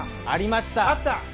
ありました。